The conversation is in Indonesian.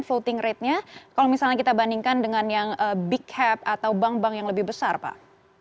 voting ratenya kalau misalnya kita bandingkan dengan yang big happ atau bank bank yang lebih besar pak